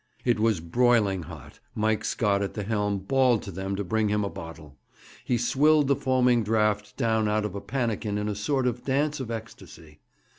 It was broiling hot. Mike Scott at the helm bawled to them to bring him a bottle. He swilled the foaming draught down out of a pannikin in a sort of dance of ecstasy.